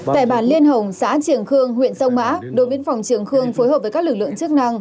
tại bản liên hồng xã triềng khương huyện sông mã đội biên phòng trường khương phối hợp với các lực lượng chức năng